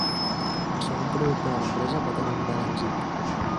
El segon producte de l'empresa va tenir un gran èxit.